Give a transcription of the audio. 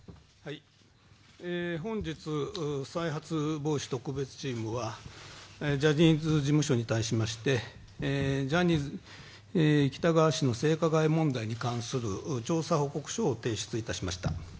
本日、再発防止特別チームは、ジャニーズ事務所に対しましてジャニー喜多川氏の性加害問題に関する調査報告書を提出いたしました。